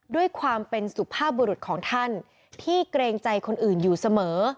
ด้วยความเป็นสุภาพบุรุษของท่านที่เกรงใจคนอื่นอยู่เสมอ